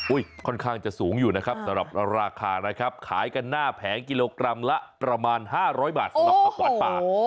ค่อนข้างจะสูงอยู่นะครับสำหรับราคานะครับขายกันหน้าแผงกิโลกรัมละประมาณ๕๐๐บาทสำหรับผักหวานป่า